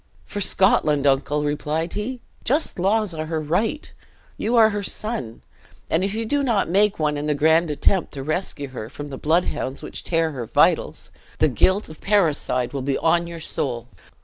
"For Scotland, uncle," replied he; "just laws are her right. You are her son; and if you do not make one in the grand attempt to rescue her from the bloodhounds which tear her vitals, the guilt of parricide will be on your soul!